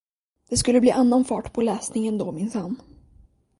Det skulle bli annan fart på läsningen då minsann.